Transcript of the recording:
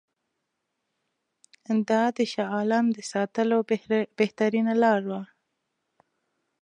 دا د شاه عالم د ساتلو بهترینه لاره وه.